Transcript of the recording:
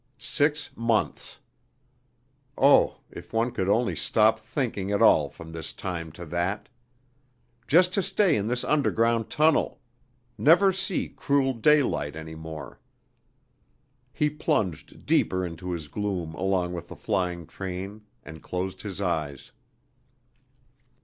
Six months! Oh, if one could only stop thinking at all from this time to that! Just to stay in this underground tunnel! Never see cruel daylight any more!... He plunged deeper into his gloom along with the flying train and closed his eyes....